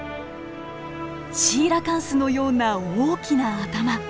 シーラカンスのような大きな頭。